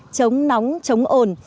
chống nóng chống ổn